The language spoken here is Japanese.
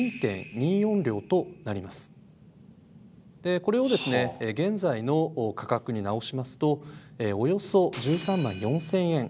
これをですね現在の価格に直しますとおよそ１３万４，０００円。